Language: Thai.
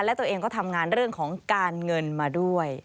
และตัวเองก็ทำงานเรื่องของการเงินมาด้วย